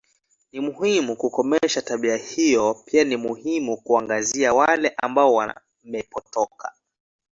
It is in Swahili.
Ni muhimu kukomesha tabia hiyo pia ni muhimu kuwaangazia wale ambao wamepotoka